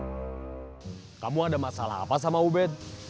hmm kamu ada masalah apa sama ubed